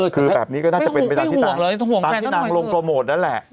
คือแบบนี้ก็น่าจะเป็นไปตามที่นางลงโปรโมทนั่นแหละ